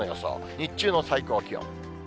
日中の最高気温。